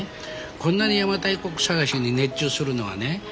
こんなに邪馬台国探しに熱中するのはね